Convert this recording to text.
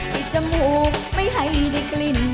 จมูกไม่ให้ได้กลิ่น